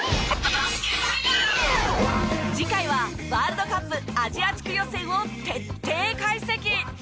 次回はワールドカップアジア地区予選を徹底解析。